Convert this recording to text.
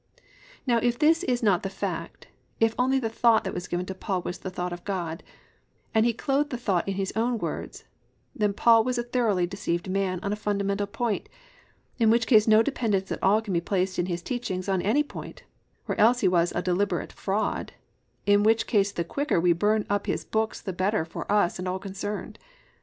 Now if this is not the fact, if only the thought that was given to Paul was the thought of God, and he clothed the thought in his own words, then Paul was a thoroughly deceived man on a fundamental point, in which case no dependence at all can be placed in his teachings on any point, or else he was a deliberate fraud, in which case the quicker we burn up his books the better for us and all concerned.